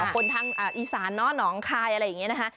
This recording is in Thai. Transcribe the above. คนทางอีสานหนองคายอะไรอย่างนี้นะคะ